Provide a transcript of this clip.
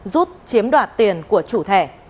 giúp chiếm đoạt tiền của chủ thẻ